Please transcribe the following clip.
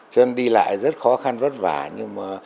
chân đi lại rất khó khăn vất vả nhưng mà